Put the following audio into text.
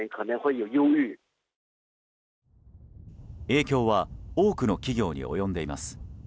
影響は多くの企業に及んでいます。